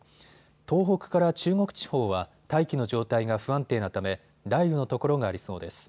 東北から中国地方は大気の状態が不安定なため雷雨の所がありそうです。